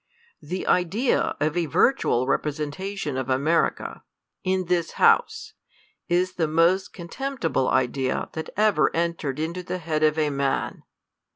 The idea of a virtual representation of America, in this House, is the most ^contemptible idea that ever entered into the head of a man.